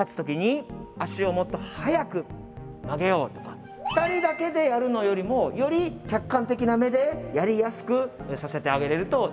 例えば２人だけでやるのよりもより客観的な目でやりやすくさせてあげれるといいと思います。